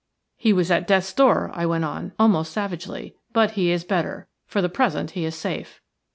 "He was at death's door," I went on, almost savagely, "but he is better. For the present he is safe."